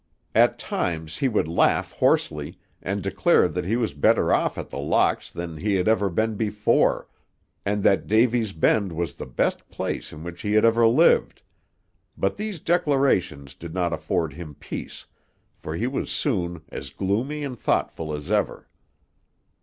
At times he would laugh hoarsely, and declare that he was better off at The Locks than he had ever been before, and that Davy's Bend was the best place in which he had ever lived; but these declarations did not afford him peace, for he was soon as gloomy and thoughtful as ever.